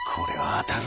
当たる！